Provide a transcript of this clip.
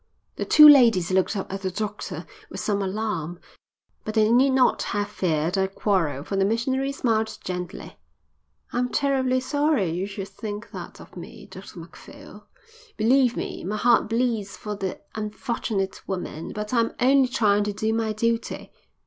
The two ladies looked up at the doctor with some alarm, but they need not have feared a quarrel, for the missionary smiled gently. "I'm terribly sorry you should think that of me, Dr Macphail. Believe me, my heart bleeds for that unfortunate woman, but I'm only trying to do my duty."